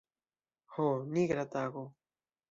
Ho, nigra tago!